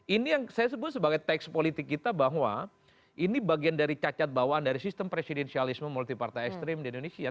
ini yang saya sebut sebagai teks politik kita bahwa ini bagian dari cacat bawaan dari sistem presidensialisme multi partai ekstrim di indonesia